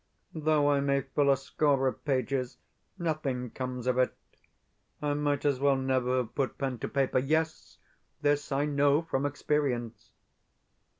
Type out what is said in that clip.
Though I may fill a score of pages, nothing comes of it I might as well never have put pen to paper. Yes, this I know from experience.